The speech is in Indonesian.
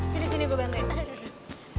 sini sini gue bantuin